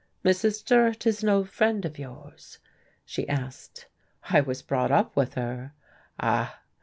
"Mrs. Durrett is an old friend of yours?" she asked. "I was brought up with her." "Ah!"